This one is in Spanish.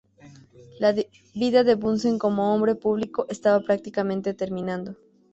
La vida de Bunsen como hombre público estaba prácticamente terminando.